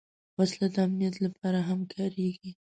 وسله د امنیت لپاره هم کارېږي